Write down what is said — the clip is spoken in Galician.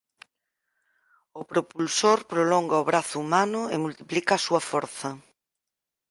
O propulsor prolonga o brazo humano e multiplica a súa forza.